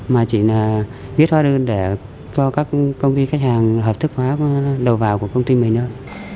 mà chỉ là viết hóa đơn để cho các công ty khách hàng hợp thức hóa đầu vào của công ty mình thôi